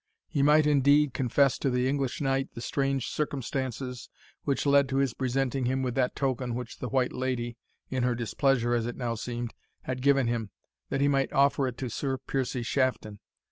He might indeed confess to the English knight the strange circumstances which led to his presenting him with that token which the White Lady (in her displeasure as it now seemed) had given him, that he might offer it to Sir Piercie Shafton.